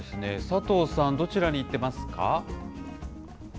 佐藤さん、どちらに行ってますか。